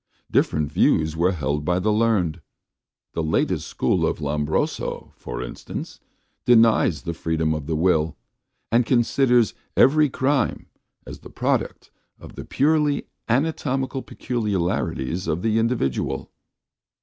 Different views were held by the learned. The latest school of Lombroso, for instance, denies the freedom of the will, and considers every crime as the product of the purely anatomical peculiarities of the individual.